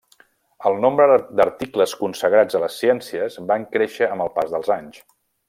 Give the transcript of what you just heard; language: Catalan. El nombre d'articles consagrats a les ciències van créixer amb el pas dels anys.